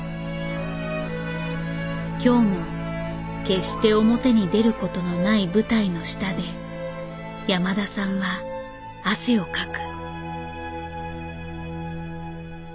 今日も決して表に出ることのない舞台の下で山田さんは汗をかく。